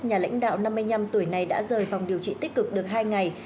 nhà lãnh đạo năm mươi năm tuổi này đã rời phòng điều trị tích cực được hai ngày